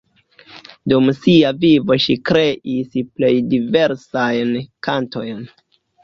Dum sia vivo ŝi kreis plej diversajn kantojn.